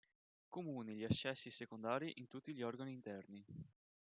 Comuni gli ascessi secondari in tutti gli organi interni.